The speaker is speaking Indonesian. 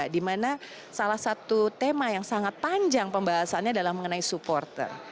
dimana salah satu tema yang sangat panjang pembahasannya adalah mengenai supporter